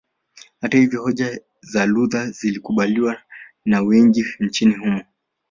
Hata hivyo hoja za Luther zilikubaliwa na wengi nchini humo